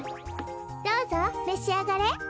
どうぞめしあがれ！